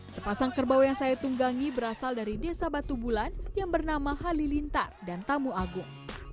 sepasang kerbau yang saya tunggangi berasal dari desa batu bulan yang bernama halilintar dan tamu agung